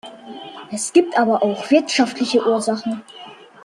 Es gibt aber auch wirtschaftliche Ursachen.